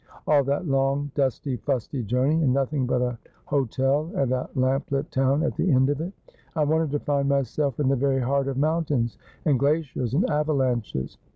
All that long, dusty, fusty journey, and nothing but an hotel and a lamp lit town at the end of it. I wanted to find myself in the very heart of mountains, and glaciers, and avalanches.'